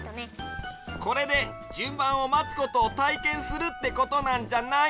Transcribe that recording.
これでじゅんばんをまつことをたいけんするってことなんじゃない？